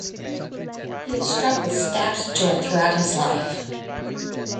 He is struck with "stabs of joy" throughout his life.